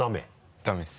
ダメです。